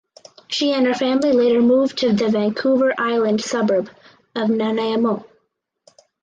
She and her family later moved to the Vancouver Island suburb of Nanaimo.